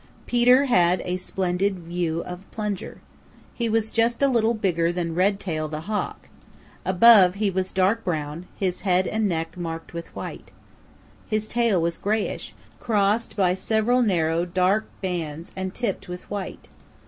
Peter had a splendid view of Plunger. He was just a little bigger than Redtail the Hawk. Above he was dark brown, his head and neck marked with white. His tail was grayish, crossed by several narrow dark bands and tipped with white.